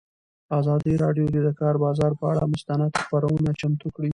ازادي راډیو د د کار بازار پر اړه مستند خپرونه چمتو کړې.